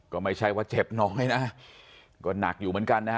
ก็ไม่ใช่เจ็บน้องไอ้น้ำนักอยู่เหมือนกัน